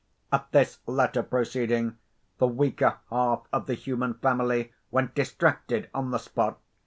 At this latter proceeding, the weaker half of the human family went distracted on the spot.